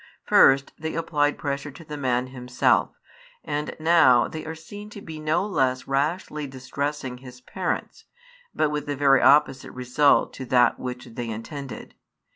First they applied pressure to the man himself, and now they are seen to be no less rashly distressing his parents, but with the very opposite result to that which they intended.